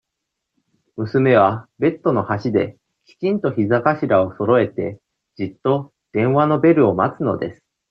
娘は、ベッドの端で、きちんと膝頭をそろえて、じっと、電話のベルを待つのです。